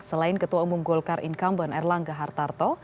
selain ketua umum golkar incumbent erlangga hartarto